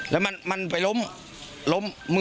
แล้วมันไปล้มล้ม